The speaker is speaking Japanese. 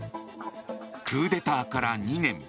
クーデターから２年。